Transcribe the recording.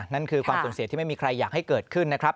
นั่นคือความสูญเสียที่ไม่มีใครอยากให้เกิดขึ้นนะครับ